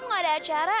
enggak ada acara